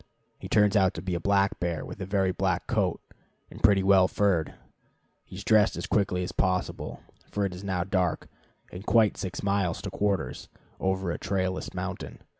He turns out to be a black bear with a very black coat, and pretty well furred. He is dressed as quickly as possible, for it is now dark, and quite six miles to quarters, over a trailless mountain.